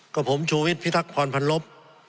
กับผมชูวิตพิทักษ์พรพันลบ